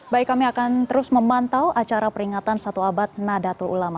baik kami akan terus memantau acara peringatan satu abad nadatul ulama